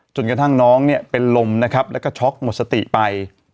จนกระทั่งน้องเนี่ยเป็นลมนะครับแล้วก็ช็อกหมดสติไป